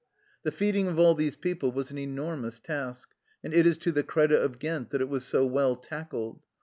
The feeding of all these people was an enormous task, and it is to the credit of Ghent that it was so well tackled.